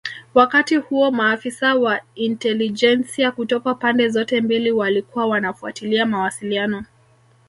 Wakati huo maafisa wa intelijensia kutoka pande zote mbili walikuwa wanafuatilia mawasiliano